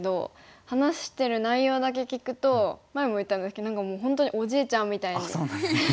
話してる内容だけ聞くと前も言ったんですけど何かもう本当におじいちゃんみたいで。